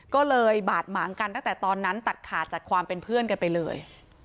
ก็เลยบาดหมางกันตั้งแต่ตอนนั้นตัดขาดจากความเป็นเพื่อนกันไปเลย